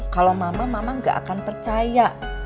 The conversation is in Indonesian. kalau mama mama gak akan percaya